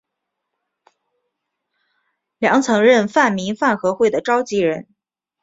梁曾任泛民饭盒会的召集人。